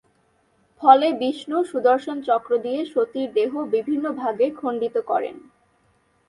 ফলে বিষ্ণু সুদর্শন চক্র দিয়ে সতীর দেহ বিভিন্ন ভাগে খণ্ডিত করেন।